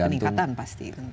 ada peningkatan pasti